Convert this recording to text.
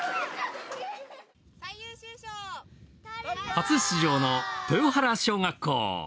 初出場の豊原小学校。